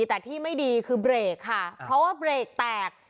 แต่ที่ไม่ดีคือเบรกค่ะเพราะว่าเบรกแตก